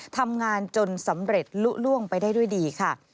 ทำงานจนสำเร็จลุล่วงไปได้ด้วยดีค่ะ